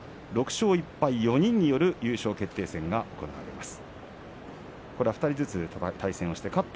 ６勝１敗と４人による優勝決定戦となります。